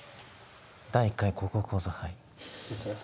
「第１回高校講座杯」。